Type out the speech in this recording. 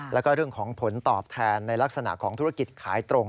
แล้วก็เรื่องของผลตอบแทนในลักษณะของธุรกิจขายตรง